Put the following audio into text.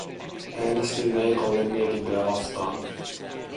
Äänestin näin ollen mietintöä vastaan.